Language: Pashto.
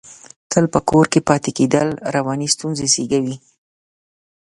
تل په کور کې پاتې کېدل، رواني ستونزې زېږوي.